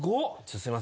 すいません。